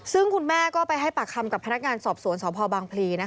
ซึ่งคุณแม่ก็ไปให้ปากคำกับพนักงานสอบสวนสพบางพลี